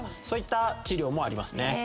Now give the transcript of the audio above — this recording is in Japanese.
そういった治療もありますね。